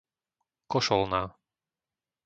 Košolná